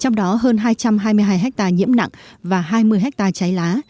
trong đó hơn hai trăm hai mươi hai hectare nhiễm nặng và hai mươi hectare cháy lá